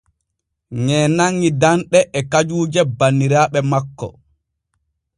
Ŋee nanŋi danɗe et kajuuje banniraaɓe makko.